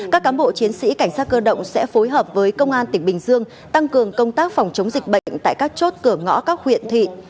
các cán bộ chiến sĩ cảnh sát cơ động sẽ phối hợp với công an tỉnh bình dương tăng cường công tác phòng chống dịch bệnh tại các chốt cửa ngõ các huyện thị